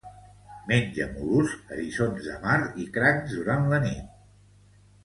Menja mol·luscs, eriçons de mar i crancs durant la nit.